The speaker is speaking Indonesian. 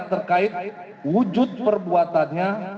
terkait wujud perbuatannya